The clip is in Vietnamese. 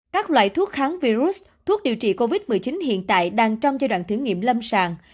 các loại thuốc kháng virus thuốc điều trị covid một mươi chín hiện tại đang trong giai đoạn thử nghiệm lâm sàng